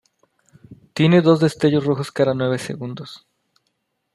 Tiene dos destellos rojos cada nueve segundos.